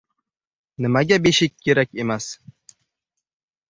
— Nimaga beshik kerak emas?